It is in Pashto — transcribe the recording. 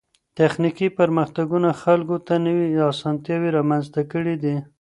تخنيکي پرمختګونو خلګو ته نوې اسانتياوې رامنځته کړې دي.